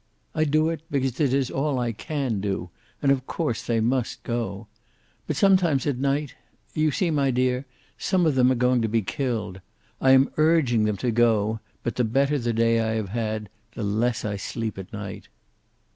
"I do it because it is all I can do, and of course they must go. But some times at night you see, my dear, some of them are going to be killed. I am urging them to go, but the better the day I have had, the less I sleep at night."